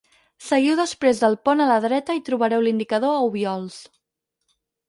Seguiu després del pont a la dreta i trobareu l'indicador a Obiols.